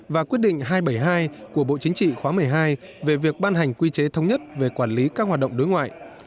và quyết định hai trăm bảy mươi hai của bộ chính trị khóa một mươi hai về việc ban hành quy chế thống nhất về quản lý các hoạt động đối ngoại